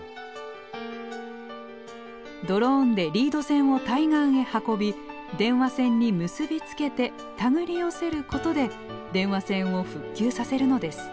ドローンでリード線を対岸へ運び電話線に結び付けて手繰り寄せることで電話線を復旧させるのです。